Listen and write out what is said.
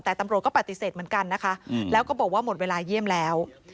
แต่ตำรวจก็ปฏิเสธเหมือนกันนะคะแล้วก็บอกว่าหมดเวลาเยี่ยมแล้ว